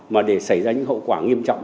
mà để xảy ra những hậu quả nghiêm trọng